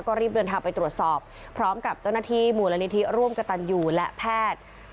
ก็รีบเดินทางไปตรวจสอบพร้อมกับเจ้าหน้าที่มูลนิธิร่วมกระตันยูและแพทย์